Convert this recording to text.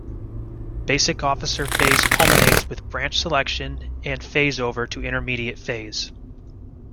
Basic Officer phase culminates with branch selection and phase over to Intermediate phase.